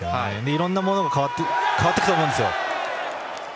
いろんなものが変わっていくと思うんですよ。